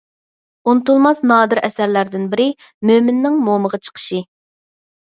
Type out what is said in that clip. ئۇنتۇلماس نادىر ئەسەرلەردىن بىرى — «مۆمىننىڭ مومىغا چىقىشى».